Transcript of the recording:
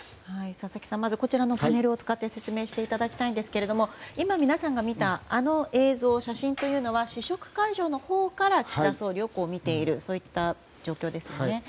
佐々木さん、パネルで説明していただきたいですが今皆さんが見たあの映像、写真は試食会場のほうから岸田総理を見ているという状況ですよね。